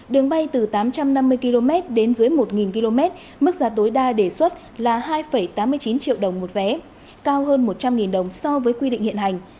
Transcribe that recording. đường bay từ tám trăm năm mươi km đến dưới một km mức giá tối đa đề xuất là hai tám mươi chín triệu đồng một vé cao hơn một trăm linh đồng so với quy định hiện hành